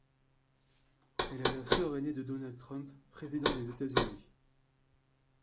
Elle est la sœur aînée de Donald Trump, président des États-Unis.